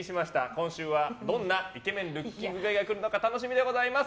今週はどんなイケメンルッキングガイが来るのか楽しみでございます。